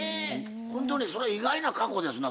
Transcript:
ほんとにそれ意外な過去ですな